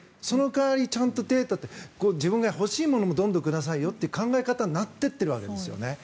そのかわり、ちゃんとデータで自分が欲しいものをどんとくださいよという考え方になっていっているわけですね。